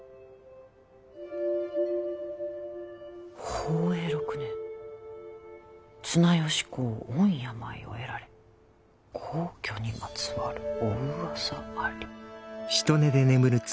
宝永６年綱吉公御病を得られ薨去にまつわるお噂あり？